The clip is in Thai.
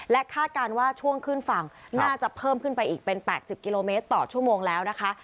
คาดการณ์ว่าช่วงขึ้นฝั่งน่าจะเพิ่มขึ้นไปอีกเป็น๘๐กิโลเมตรต่อชั่วโมงแล้วนะคะ